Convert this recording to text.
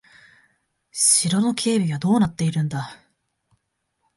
城の警備はどうなっているんだ。